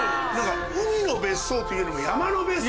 海の別荘というよりも山の別荘。